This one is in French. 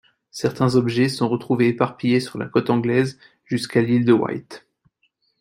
Certains objets sont retrouvés éparpillés sur la côte anglaise jusqu'à l'île de Wight.